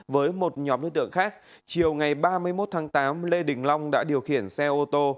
với một nhóm đối tượng khác chiều ngày ba mươi một tháng tám lê đình long đã điều khiển xe ô tô